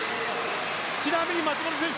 ちなみに松元選手